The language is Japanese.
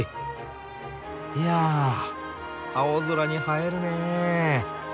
いやあ青空に映えるねえ。